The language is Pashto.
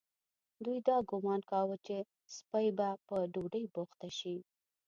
دوی دا ګومان کاوه چې سپۍ به په ډوډۍ بوخته شي.